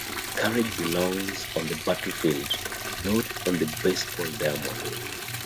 Courage belongs on the battlefield, not on the baseball diamond.